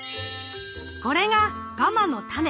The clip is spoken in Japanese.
これがガマのタネ。